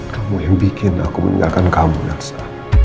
kamu yang bikin aku meninggalkan kamu daksa